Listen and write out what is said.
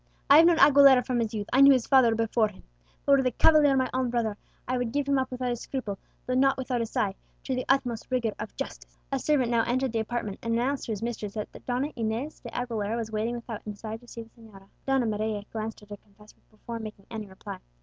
I have known Aguilera from his youth: I knew his father before him. But were the cavalier my own brother, I would give him up without a scruple, though not without a sigh, to the utmost rigour of justice." A servant now entered the apartment, and announced to his mistress that Donna Inez de Aguilera was waiting without, and desired to see the señora. Donna Maria glanced at her confessor before making any reply.